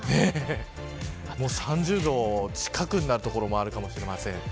３０度近くなる所もあるかもしれません。